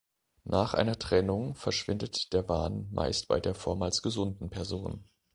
Nach einer Trennung verschwindet der Wahn meist bei der vormals gesunden Person.